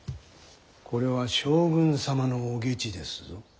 これは将軍様のお下知ですぞ。